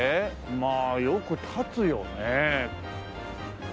まあよく立つよねえ。